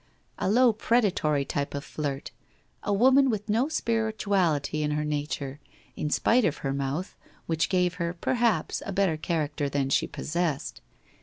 A low pred atory type of flirt, a woman with no spirituality in her nature, in spite of her mouth, which gave her, perhaps, a better character than she possessed.